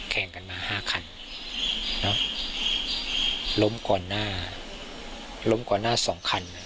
แข่งกันมา๕คันล้มก่อนหน้า๒คัน